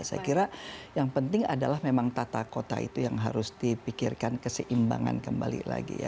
saya kira yang penting adalah memang tata kota itu yang harus dipikirkan keseimbangan kembali lagi ya